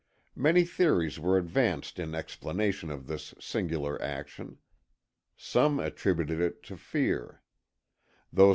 Many theories were advanced in explanation of this singular action. Some attributed it to fear.